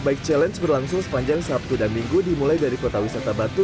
bike challenge berlangsung sepanjang sabtu dan minggu dimulai dari kota wisata batu